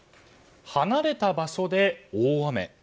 離れた場所で大雨。